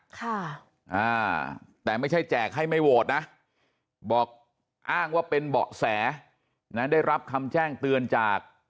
ค่ะอ่าแต่ไม่ใช่แจกให้ไม่โหวตนะบอกอ้างว่าเป็นเบาะแสนะได้รับคำแจ้งเตือนจาก